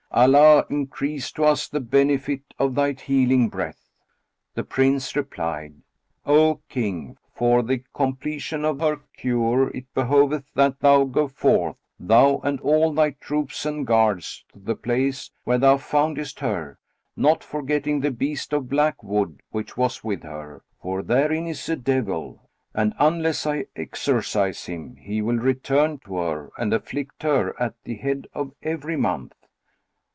Allah increase to us the benefit of thy healing breath!"[FN#29] The Prince replied, "O King, for the completion of her cure it behoveth that thou go forth, thou and all thy troops and guards, to the place where thou foundest her, not forgetting the beast of black wood which was with her; for therein is a devil; and, unless I exorcise him, he will return to her and afflict her at the head of every month."